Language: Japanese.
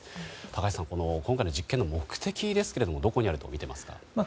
高橋さん、今回の実験の目的はどこにあるとみていますか。